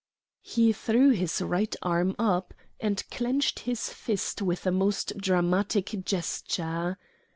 He threw his right arm up, and clenched his fist with a most dramatic gesture.